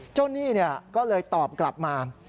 หนี้ก็เลยตอบกลับมา